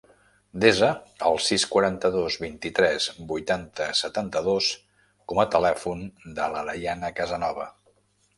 Desa el sis, quaranta-dos, vint-i-tres, vuitanta, setanta-dos com a telèfon de la Dayana Casanova.